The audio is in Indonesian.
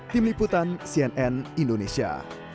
tim liputan cnn indonesia